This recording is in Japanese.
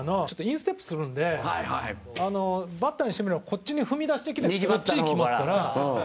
ちょっとインステップするんでバッターにしてみればこっちに踏み出してきてこっちにきますから。